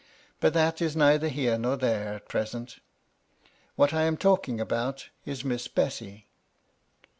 But that is neither here nor there at present What I am talking about is Miss Bessy.